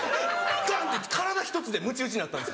ガン！って体ひとつでむち打ちになったんです。